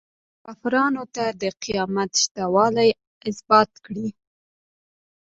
کافرانو ته د قیامت شته والی ازبات کړي.